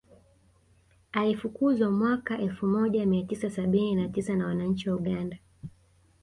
Alifukuzwa mwaka elfu moja mia tisa sabini na tisa na wananchi wa Uganda